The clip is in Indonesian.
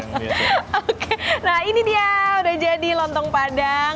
oke nah ini dia udah jadi lontong padang